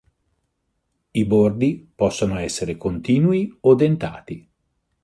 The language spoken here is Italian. I bordi possono essere continui o dentati.